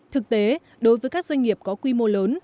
thực tế đối với các doanh nghiệp có quy mô lớn